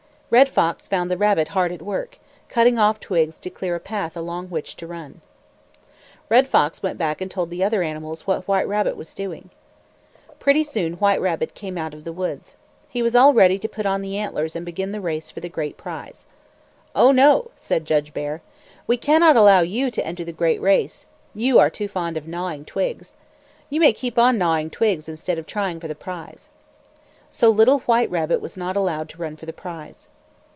Red Fox found the rabbit hard at work, cutting off twigs to clear a path along which to run. Red Fox went back and told the other animals what White Rabbit was doing. Pretty soon White Rabbit came out of the woods. He was all ready to put on the antlers and begin the race for the great prize. "Oh, no!" said Judge Bear. "We cannot allow you to enter the great race. You are too fond of gnawing twigs. You may keep on gnawing twigs instead of trying for the prize." So little White Rabbit was not allowed to run for the prize.